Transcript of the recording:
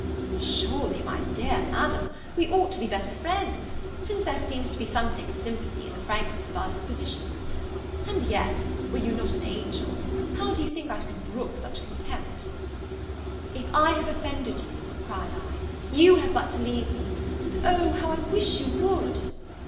"Surely, my dear Madam, we ought to be better friends, since there seems to be something of sympathy in the frankness of our dispositions. And yet, were you not an angel how do you think I could brooke such contempt?" "If I have offended you," cried I, "you have but to leave me and O how I wish you would!"